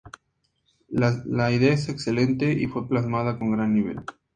La idea es excelente y fue plasmada con gran nivel.